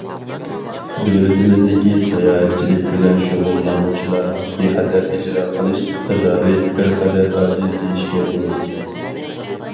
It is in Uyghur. دۆلىتىمىزدىكى ساياھەتچىلىك بىلەن شۇغۇللانغۇچىلارنىڭ بىخەتەر ئىجرا قىلىش ئىقتىدارى بىرقەدەر ئاجىز دېيىشكە بولىدۇ.